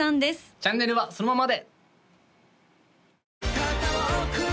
チャンネルはそのままで！